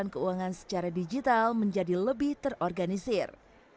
keuangan secara digital menjadi lebih terorganisir